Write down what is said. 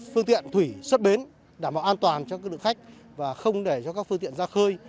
phương tiện thủy xuất bến đảm bảo an toàn cho các lực khách và không để cho các phương tiện ra khơi